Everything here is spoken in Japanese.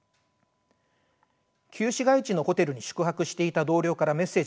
旧市街地のホテルに宿泊していた同僚からメッセージが入ってきました。